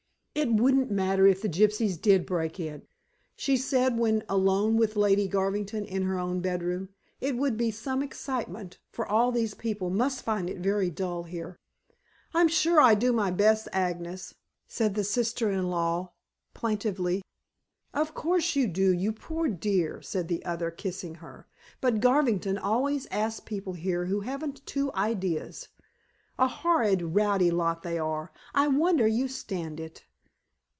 "It wouldn't matter if the gypsies did break in," she said when alone with Lady Garvington in her own bedroom. "It would be some excitement, for all these people must find it very dull here." "I'm sure I do my best, Agnes," said the sister in law plaintively. "Of course, you do, you poor dear," said the other, kissing her. "But Garvington always asks people here who haven't two ideas. A horrid, rowdy lot they are. I wonder you stand it."